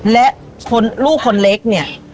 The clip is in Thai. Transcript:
และลูกคนเล็กเนี่ย